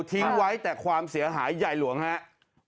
ทิ้งไว้แต่ความเสียหายใหญ่หลวงครับ